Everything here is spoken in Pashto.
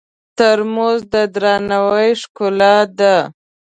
ترموز د درناوي ښکلا ده.